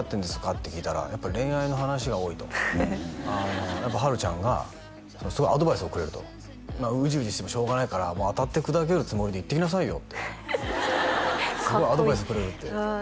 って聞いたらやっぱ恋愛の話が多いとやっぱ華ちゃんがアドバイスをくれるとうじうじしてもしょうがないから当たって砕けるつもりでいってきなさいよってすごいアドバイスくれるってああ